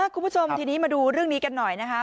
คุณผู้ชมทีนี้มาดูเรื่องนี้กันหน่อยนะคะ